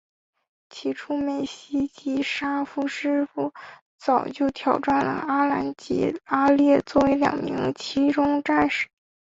起初美希及沙夫师傅早就挑选了阿兰及阿烈作为其中两名战士。